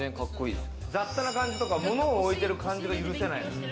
雑多な感じとか、物を置いてる感じが許せない。